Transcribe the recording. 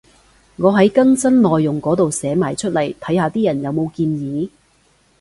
我喺更新內容嗰度寫埋出嚟，睇下啲人有冇建議